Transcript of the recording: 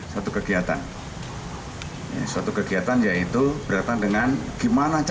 suatu kegiatan yaitu berdatang dengan gimana cara uangnya